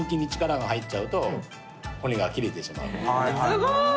すごい。